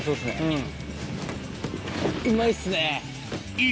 うん。